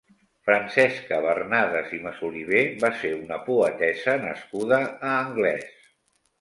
Francesca Barnades i Masoliver va ser una poetessa nascuda a Anglès.